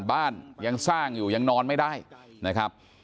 บ้านยังสร้างอยู่ยังนอนไม่ได้นะครับ